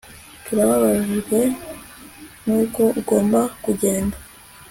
turababajwe nuko ugomba kugenda